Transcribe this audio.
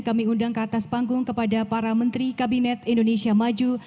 kami undang ke atas panggung kepada para menteri kabinet indonesia maju